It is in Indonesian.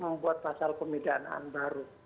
membuat pasal pemidahan baru